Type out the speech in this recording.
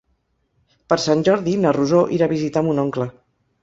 Per Sant Jordi na Rosó irà a visitar mon oncle.